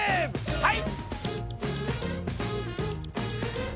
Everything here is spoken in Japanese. はい！